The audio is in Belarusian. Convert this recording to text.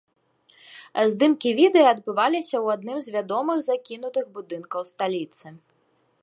Здымкі відэа адбываліся ў адным з вядомых закінутых будынкаў сталіцы.